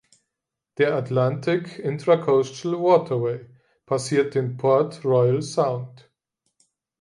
Der Atlantic Intracoastal Waterway passiert den Port Royal Sound.